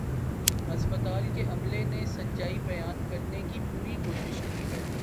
ہسپتال کے عملے نے سچائی بیان کرنے کی پوری کوشش کی ہے